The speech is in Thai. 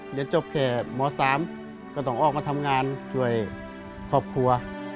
เรียนจบแค่ม๓ก็ต้องออกมาทำงานช่วยครอบครัว